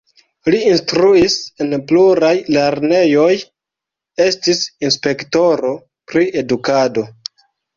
Li instruis en pluraj lernejoj, estis inspektoro pri edukado.